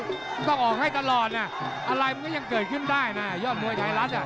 มันต้องออกให้ตลอดนะอะไรมันก็ยังเกิดขึ้นได้นะยอดมวยไทยรัฐอ่ะ